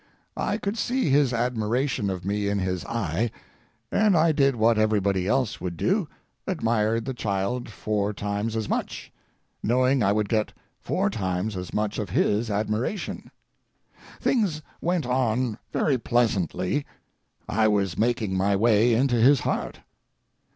I could see his admiration of me in his eye, and I did what everybody else would do—admired the child four times as much, knowing I would get four times as much of his admiration. Things went on very pleasantly. I was making my way into his heart.